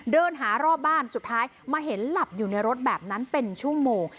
เดินหารอบบ้านสุดท้ายมาเห็นหลับอยู่ในรถแบบนั้นเป็นชั่วโมง